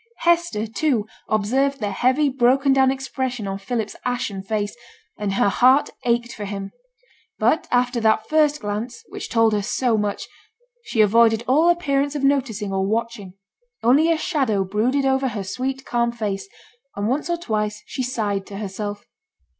Hester, too, observed the heavy broken down expression on Philip's ashen face, and her heart ached for him; but after that first glance, which told her so much, she avoided all appearance of noticing or watching. Only a shadow brooded over her sweet, calm face, and once or twice she sighed to herself.